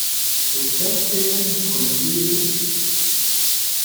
Tufamt iman-nkent yid-s?